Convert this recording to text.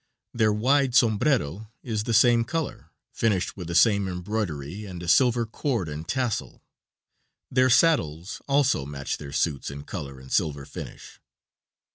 Their wide sombrero is the same color, finished with the same embroidery and a silver cord and tassel. Their saddles also match their suits in color and silver finish.